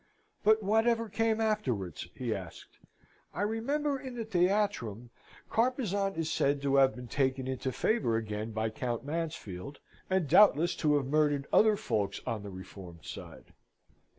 "But whatever came afterwards?" he asked. "I remember in the Theatrum, Carpezan is said to have been taken into favour again by Count Mansfield, and doubtless to have murdered other folks on the reformed side."